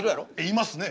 いますね。